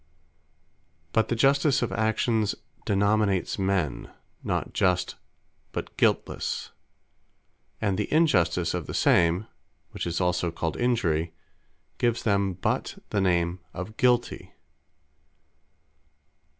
But the Justice of Actions denominates men, not Just, but Guiltlesse; and the Injustice of the same, (which is also called Injury,) gives them but the name of Guilty.